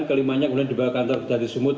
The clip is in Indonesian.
kelimanya kemudian dibawa ke kantor kejahatan sumut